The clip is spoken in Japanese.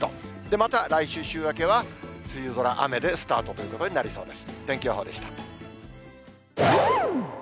また来週週明けは梅雨空、雨でスタートということになりそうです。